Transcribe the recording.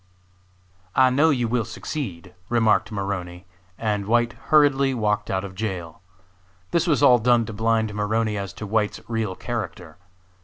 "I know you will succeed," remarked Maroney, and White hurriedly walked out of jail. This was all done to blind Maroney as to White's real character.